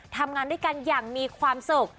ทำงานด้วยกันอย่างมีความสุข